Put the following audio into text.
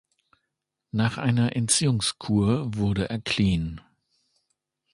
Nach einer Entziehungskur wurde er clean.